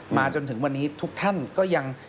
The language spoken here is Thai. จนถึงวันนี้ทุกท่านก็ยัง